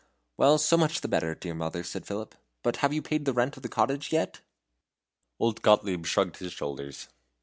"Well, so much the better, dear mother," said Philip; "but have you paid the rent of the cottage yet?" Old Gottlieb shrugged his shoulders.